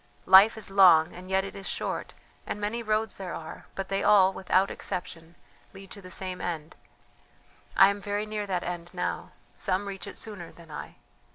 Life is long and yet it is short, and many roads there are, but they all, without exception, lead to the same end. I am very near that end now; some reach it sooner than I.